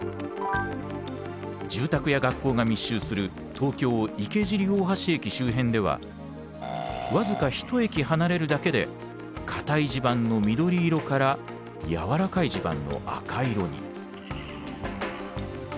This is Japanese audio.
住宅や学校が密集する東京池尻大橋駅周辺では僅か１駅離れるだけで固い地盤の緑色から軟らかい地盤の赤色に。